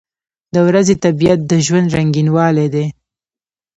• د ورځې طبیعت د ژوند رنګینوالی دی.